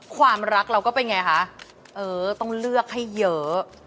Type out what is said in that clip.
ความรักเราก็เป็นไงคะเออต้องเลือกให้เยอะ